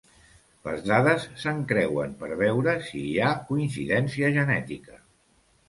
Les dades s'encreuen per veure si hi ha coincidència genètica.